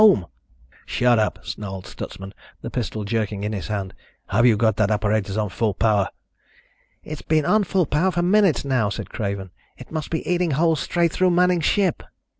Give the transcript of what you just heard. "Shut up," snarled Stutsman, the pistol jerking in his hand. "Have you got that apparatus on full power?" "It's been on full power for minutes now," said Craven. "It must be eating holes straight through Manning's ship."